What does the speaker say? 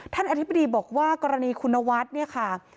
อธิบดีบอกว่ากรณีคุณนวัฒน์เนี่ยค่ะ